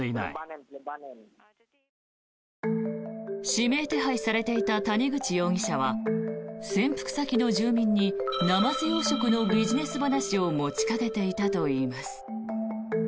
指名手配されていた谷口容疑者は潜伏先の住民にナマズ養殖のビジネス話を持ちかけていたといいます。